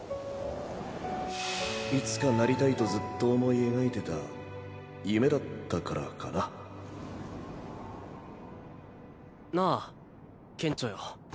いつかなりたいとずっと思い描いてた夢だったからかななあケンチョよ。